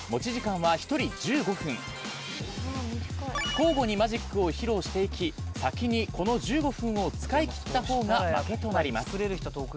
交互にマジックを披露していき先にこの１５分を使いきった方が負けとなります。